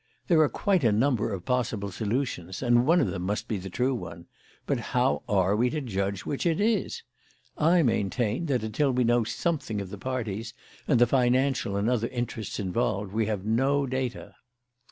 There are quite a number of possible solutions, and one of them must be the true one. But how are we to judge which it is? I maintain that until we know something of the parties and the financial and other interests involved we have no data."